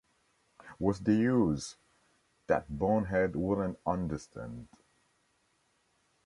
What's the use? That bonehead wouldn't understand!